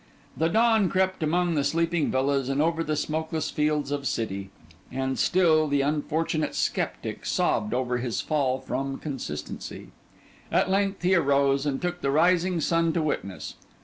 The dawn crept among the sleeping villas and over the smokeless fields of city; and still the unfortunate sceptic sobbed over his fall from consistency. At length, he rose and took the rising sun to witness.